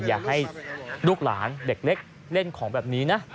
อย่าให้ลูกหลานเด็กเล็กเล่นของแบบนี้นะ